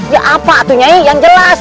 ya apa itu nyi yang jelas